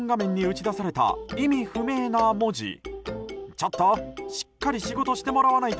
ちょっと！